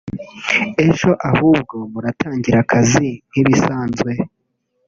“ejo ahubwo muratangira akazi nk’ ibisanzwe